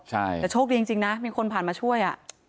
แต่โชคดีจริงนะมีคนผ่านมาช่วย